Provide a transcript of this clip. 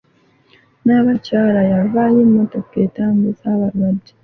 Nnaabakyala yawaayo emmotoka etambuza abalwadde.